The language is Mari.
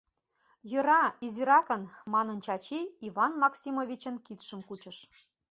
— Йӧра, изиракын, — манын, Чачи Иван Максимовичын кидшым кучыш.